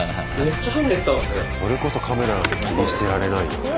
それこそカメラなんて気にしてられないよね。